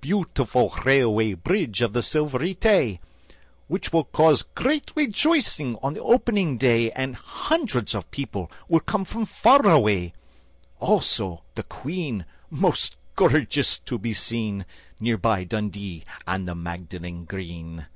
Beautiful Railway Bridge of the Silvery Tay ! Which will cause great rejoicing on the opening day And hundreds of people will come from far away, Also the Queen, most gorgeous to be seen, Near by Dundee and the Magdalen Green.